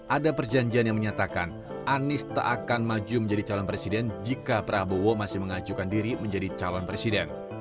ada perjanjian yang menyatakan anies tak akan maju menjadi calon presiden jika prabowo masih mengajukan diri menjadi calon presiden